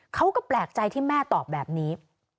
เขาก็แปลกใจที่แม่ตอบแบบนี้